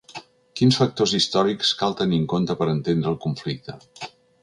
Quins factors històrics cal tenir en compte per entendre el conflicte?